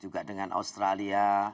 juga dengan australia